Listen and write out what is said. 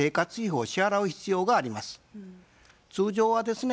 通常はですね